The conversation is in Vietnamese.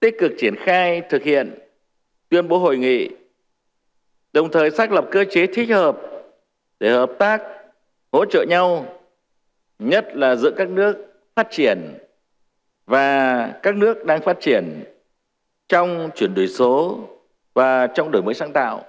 tích cực triển khai thực hiện tuyên bố hội nghị đồng thời xác lập cơ chế thích hợp để hợp tác hỗ trợ nhau nhất là giữa các nước phát triển và các nước đang phát triển trong chuyển đổi số và trong đổi mới sáng tạo